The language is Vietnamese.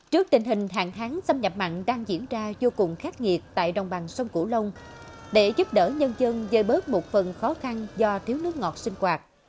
trước tình hình hàng tháng xâm nhập mặn đang diễn ra vô cùng khắc nghiệt tại đồng bằng sông cửu long để giúp đỡ nhân dân dơi bớt một phần khó khăn do thiếu nước ngọt sinh hoạt